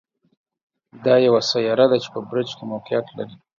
دا یوه سیاره ده چې په برج کې موقعیت لري.